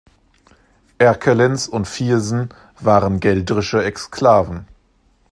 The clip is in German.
Erkelenz und Viersen waren geldrische Exklaven.